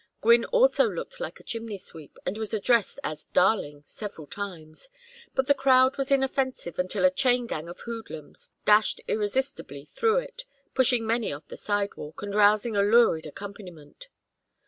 Gwynne also looked like a chimney sweep, and was addressed as "darling" several times, but the crowd was inoffensive until a chain gang of hoodlums dashed irresistibly through it, pushing many off the sidewalk, and rousing a lurid accompaniment.